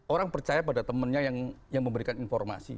orang percaya pada temannya yang memberikan informasi